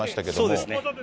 そうですね。